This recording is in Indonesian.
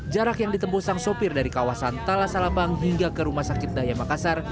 jarak yang ditembus sang sopir dari kawasan talasalabang hingga ke rumah sakit daya makassar